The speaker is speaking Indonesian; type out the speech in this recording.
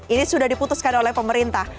ini sudah diputuskan oleh pemerintah